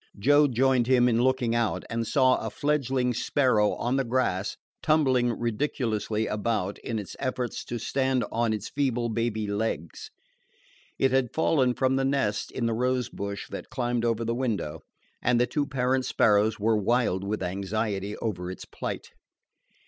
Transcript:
Joe joined him in looking out, and saw a fledgeling sparrow on the grass, tumbling ridiculously about in its efforts to stand on its feeble baby legs. It had fallen from the nest in the rose bush that climbed over the window, and the two parent sparrows were wild with anxiety over its plight.